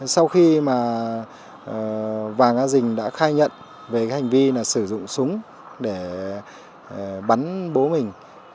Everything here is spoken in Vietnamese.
sau khi mà vàng a dình đã khai nhận về hành vi sử dụng súng để bắn bố mình